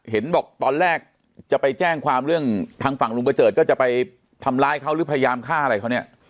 เห็นบอกตอนแรกจะไปแจ้งความเรื่องทางฝั่งลุงประเจิดก็จะไปทำร้ายเขาหรือพยายามฆ่าอะไรเขาเนี่ย